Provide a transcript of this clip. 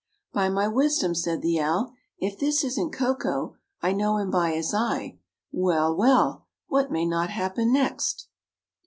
"By my wisdom," said the owl, "if this isn't Koko. I know him by his eye. Well! well! what may not happen next?"